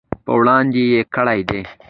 په وړاندې یې کړي دي.